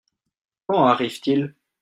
Quand arrive-t-il ?